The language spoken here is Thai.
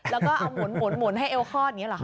แล้วก็เอาหมุนให้เอวคลอดอย่างนี้หรอค